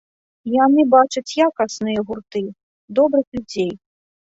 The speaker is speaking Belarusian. Яны бачаць якасныя гурты, добрых людзей.